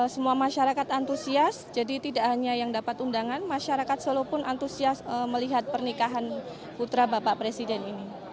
semua masyarakat antusias jadi tidak hanya yang dapat undangan masyarakat solo pun antusias melihat pernikahan putra bapak presiden ini